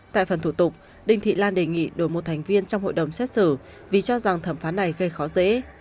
tại phần thủ tục đinh thị lan đề nghị đổi một thành viên trong hội đồng xét xử vì cho rằng thẩm phán này gây khó dễ